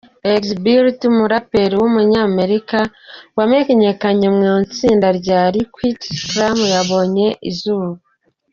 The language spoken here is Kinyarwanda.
Xzibit, umuraperi w’umunyamerika wamenyekanye mu itsinda rya Likwit Crew yabonye izuba.